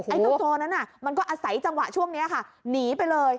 ไอ้เจ้าโจรนั้นมันก็อาศัยจังหวะช่วงนี้ค่ะหนีไปเลย